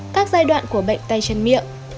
hai các giai đoạn của bệnh tài chân miệng